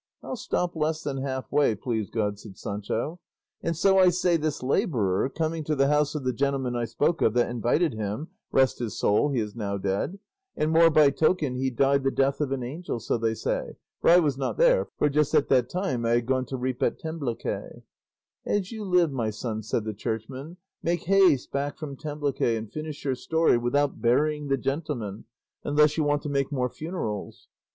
"I'll stop less than half way, please God," said Sancho; "and so I say this labourer, coming to the house of the gentleman I spoke of that invited him rest his soul, he is now dead; and more by token he died the death of an angel, so they say; for I was not there, for just at that time I had gone to reap at Tembleque—" "As you live, my son," said the churchman, "make haste back from Tembleque, and finish your story without burying the gentleman, unless you want to make more funerals."